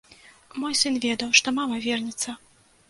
Мой сын ведаў, што мама вернецца.